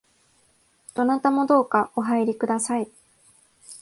どなたもどうかお入りください